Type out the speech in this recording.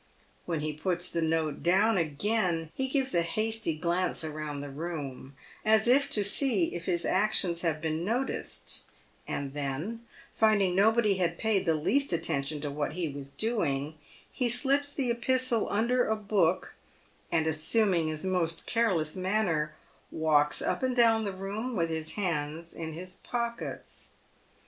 When he puts the note down again, he gives a hasty glance round the room, as if to see if his actions have been noticed, and then, finding nobody had paid the least attention to what he was doing, he slips the epistle under a book, and assuming his most careless manner, walks up and down the room with his hands in his pockets.